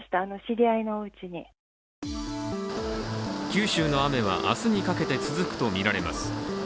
九州の雨は明日にかけて続くとみられます。